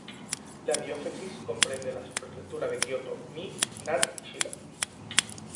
La diócesis comprende las prefecturas de Kioto, Mie, Nara y Shiga.